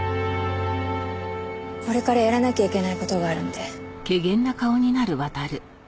これからやらなきゃいけない事があるんで。